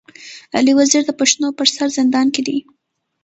علي وزير د پښتنو پر سر زندان کي دی.